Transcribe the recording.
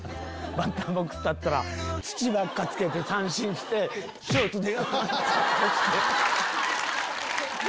バッターボックス立ったら土ばっかつけて三振してショート出ようとして。